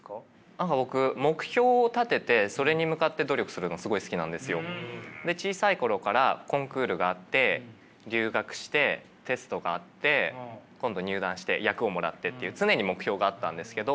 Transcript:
何か僕目標を立ててそれに向かって努力するのすごい好きなんですよ。で小さい頃からコンクールがあって留学してテストがあって今度入団して役をもらってっていう常に目標があったんですけど。